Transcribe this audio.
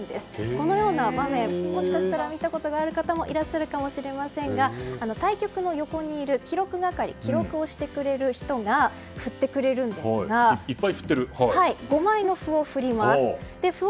このような場面もしかしたら見たことある方もいらっしゃるかもしれませんが対局の横にいる記録をしてくれる人が振ってくれるんですが５枚の「歩」を振ります。